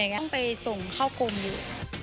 ต้องไปส่งเข้ากรมอยู่